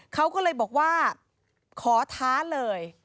เขาก็เลยบอกว่าขอท้าเลย